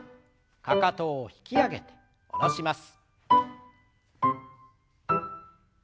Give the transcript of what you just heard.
かかとを引き上げて下ろします。